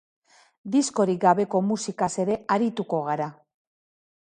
Diskorik gabeko musikaz ere arituko gara.